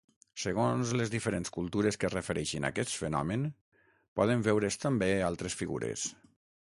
Segons les diferents cultures que refereixen aquest fenomen, poden veure's també altres figures.